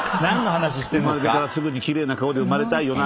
生まれてからすぐに奇麗な顔で生まれたいよな。